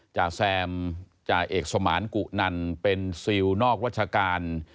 จ่าแซมจ่าเอกสมานกุนันเป็นซิลนอกราชการ